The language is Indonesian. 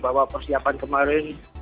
bahwa persiapan kemarin